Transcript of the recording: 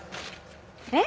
えっ？